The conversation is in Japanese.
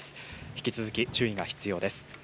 引き続き注意が必要です。